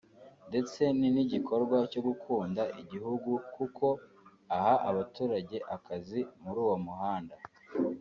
ndetse ni nigikorwa cyo gukunda igihugu kuko aha abaturage akazi muri uwo muhanda »